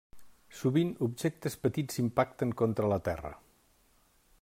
Sovint objectes petits impacten contra la Terra.